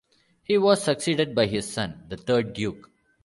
He was succeeded by his son, the third Duke.